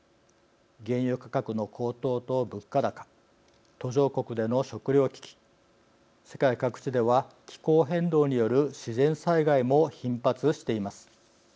原油価格の高騰と物価高途上国での食料危機世界各地では気候変動による自然災害も頻発しています。